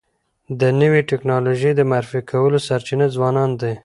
د نوي ټکنالوژۍ د معرفي کولو سرچینه ځوانان دي.